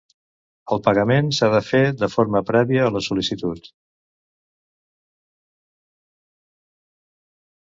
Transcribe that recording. El pagament s'ha de fer de forma prèvia a la sol·licitud.